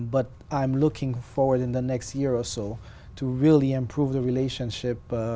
bởi vì không có nhiều nơi trong thế giới